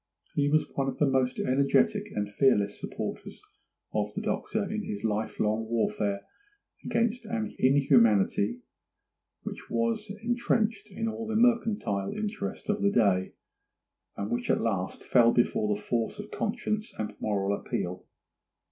He was one of the most energetic and fearless supporters of the Doctor in his life long warfare against an inhumanity which was entrenched in all the mercantile interest of the day, and which at last fell before the force of conscience and moral appeal.